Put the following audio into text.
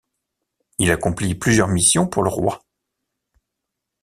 Il accomplit plusieurs missions pour le roi.